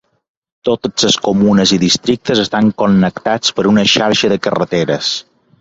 Totes les comunes i districtes estan connectats per una xarxa de carreteres.